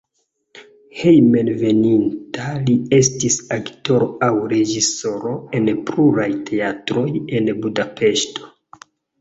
Hejmenveninta li estis aktoro aŭ reĝisoro en pluraj teatroj en Budapeŝto.